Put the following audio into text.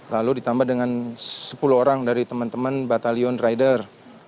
lalu ditambah dengan sepuluh orang dari teman teman batalion rider